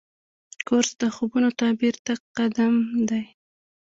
کورس د خوبونو تعبیر ته قدم دی.